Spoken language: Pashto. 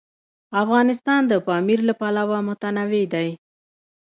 افغانستان د پامیر له پلوه متنوع دی.